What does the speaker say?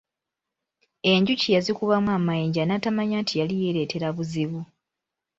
Enjuki yazikubamu amayinja n’atamanya nti yali yeereetera buzibu.